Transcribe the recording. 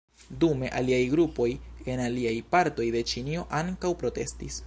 Dume aliaj grupoj en aliaj partoj de Ĉinio ankaŭ protestis.